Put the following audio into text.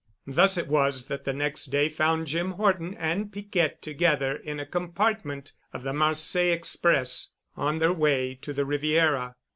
Thus it was that the next day found Jim Horton and Piquette together in a compartment of the Marseilles Express on their way to the Riviera.